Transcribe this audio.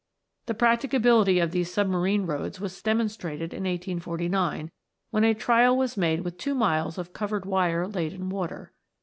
The practicability of these submarine roads was demonstrated in 1849, when a trial was made with two miles of covered wire laid in water.